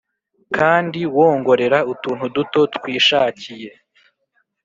kandi wongorera utuntu duto twishakiye;